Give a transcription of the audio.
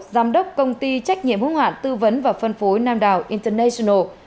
giám đốc công ty trách nhiệm hướng hạn tư vấn và phân phối nam đảo international